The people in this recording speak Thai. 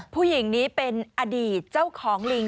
ผู้หญิงนี้เป็นอดีตเจ้าของลิง